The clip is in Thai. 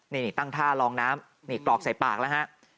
นี่ตั้งท่าลองน้ำนี่กรอกใส่ปากแล้วฮะ